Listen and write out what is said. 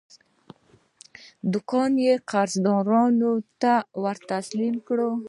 دوکان یې قرضدارانو ته ورتسلیم کړ.